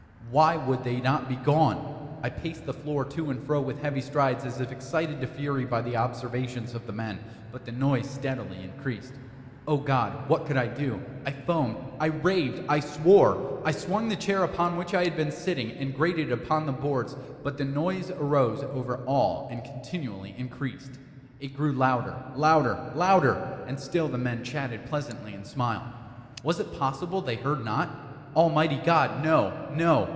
Why would they not be gone? I paced the floor to and fro with heavy strides, as if excited to fury by the observations of the men but the noise steadily increased. Oh God! what could I do? I foamed I raved I swore! I swung the chair upon which I had been sitting, and grated it upon the boards, but the noise arose over all and continually increased. It grew louder louder louder! And still the men chatted pleasantly, and smiled. Was it possible they heard not? Almighty God! no, no!